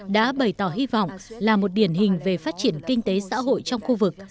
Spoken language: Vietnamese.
đã bày tỏ hy vọng là một điển hình về phát triển kinh tế xã hội trong khu vực